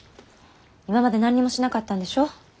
今まで何にもしなかったんでしょ？